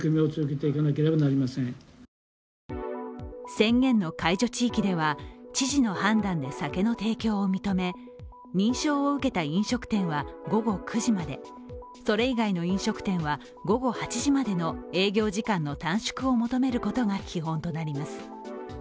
宣言の解除地域では、知事の判断で酒の提供を認め認証を受けた飲食店は午後９時まで、それ以外の飲食店は午後８時までの営業時間の短縮を求めることが基本となります。